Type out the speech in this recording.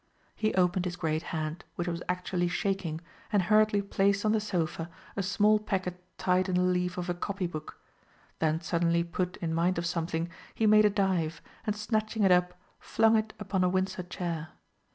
He opened his great hand, which was actually shaking, and hurriedly placed on the sofa a small packet tied in the leaf of a copy book; then suddenly put in mind of something, he made a dive, and snatching it up, flung it upon a Windsor chair.